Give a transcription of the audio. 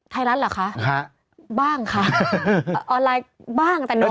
เหรอคะบ้างค่ะออนไลน์บ้างแต่น้อย